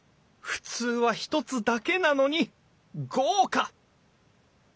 普通は１つだけなのに豪華！